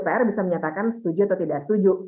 dpr bisa menyatakan setuju atau tidak setuju